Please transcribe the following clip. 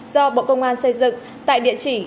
do bộ công an xây dựng tại địa chỉ